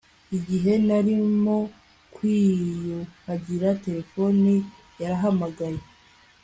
Igihe narimo kwiyuhagira terefone yarahamagaye